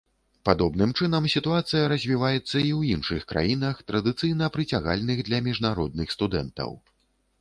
Падобным чынам сітуацыя развіваецца і ў іншых краінах, традыцыйна прыцягальных для міжнародных студэнтаў.